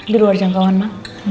di luar jangkauan ma